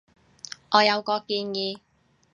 我有個建議